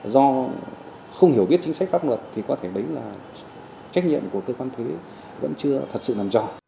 do không hiểu biết chính sách pháp luật thì có thể đấy là trách nhiệm của cơ quan thuế vẫn chưa thật sự nằm trò